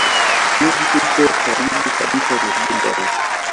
Mji upo karibu kabisa na jimbo lake.